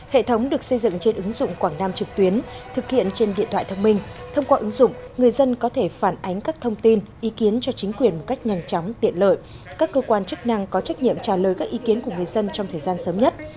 hệ thống được xây dựng trên ứng dụng quảng nam trực tuyến thực hiện trên điện thoại thông minh thông qua ứng dụng người dân có thể phản ánh các thông tin ý kiến cho chính quyền một cách nhanh chóng tiện lợi các cơ quan chức năng có trách nhiệm trả lời các ý kiến của người dân trong thời gian sớm nhất